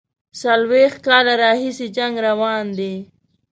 څلوېښت کاله راهیسي جنګ روان دی.